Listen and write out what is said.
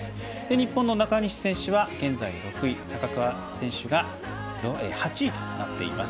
日本の中西選手は現在６位高桑選手が８位となっています。